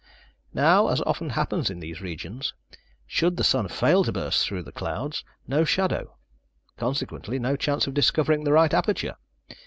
Now, as often happens in these regions, should the sun fail to burst through the clouds, no shadow. Consequently, no chance of discovering the right aperture.